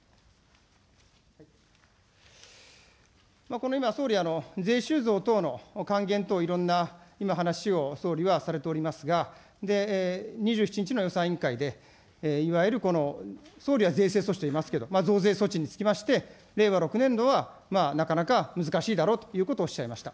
この今、総理、税収増等の還元等いろんな今話を総理はされておりますが、２７日の予算委員会で、いわゆるこの総理は税制措置と言いますけど、増税措置につきまして、令和６年度はなかなか難しいだろうということをおっしゃいました。